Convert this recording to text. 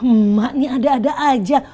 emak nih ada ada aja